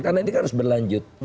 karena ini kan harus berlanjut